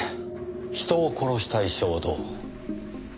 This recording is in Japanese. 人を殺したい衝動。